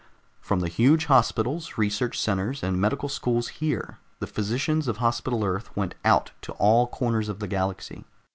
From the huge hospitals, research centers, and medical schools here, the physicians of Hospital Earth went out to all corners of the galaxy.